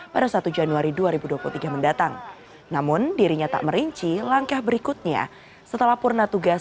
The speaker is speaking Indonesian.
pada satu januari dua ribu dua puluh tiga mendatang namun dirinya tak merinci langkah berikutnya setelah purna tugas